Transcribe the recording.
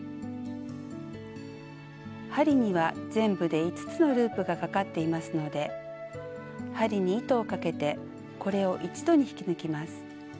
針には全部で５つのループがかかっていますので針に糸をかけてこれを一度に引き抜きます。